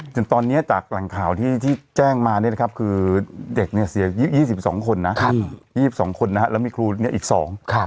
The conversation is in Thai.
จนตอนนี้จากหลังข่าวที่แจ้งมาคือเด็กเนี่ยเสีย๒๒คนและมีครูเนี่ยอีก๒